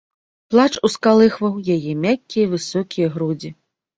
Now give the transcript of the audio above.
Плач ускалыхваў яе мяккія высокія грудзі.